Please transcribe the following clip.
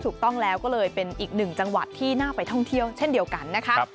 ถูกต้องแล้วก็เลยเป็นอีกหนึ่งจังหวัดที่น่าไปท่องเที่ยวเช่นเดียวกันนะคะ